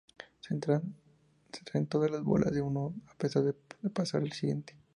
Se extraen todas las bolas de uno antes de pasar al siguiente.